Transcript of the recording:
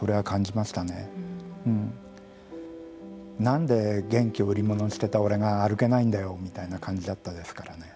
何で元気を売り物にしていた俺が歩けないんだよみたいな感じだったですからね。